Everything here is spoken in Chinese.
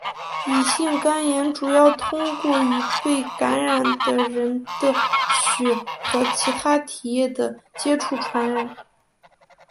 乙型肝炎主要通过与被感染的人的血和其它体液的接触传染。